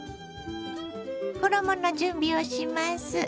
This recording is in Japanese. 衣の準備をします。